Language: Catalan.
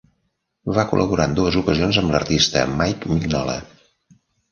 Va col·laborar en dues ocasions amb l"artista Mike Mignola.